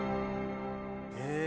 へえ。